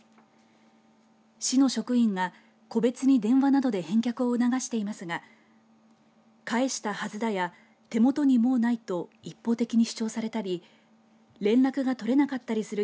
市の職員が個別に電話などで返却を促していますが返したはずだ、や手元にもうないと一方的に主張されたり連絡が取れなかったりする